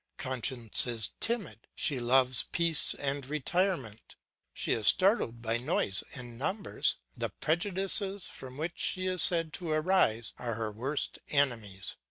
Conscience is timid, she loves peace and retirement; she is startled by noise and numbers; the prejudices from which she is said to arise are her worst enemies.